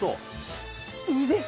いいです。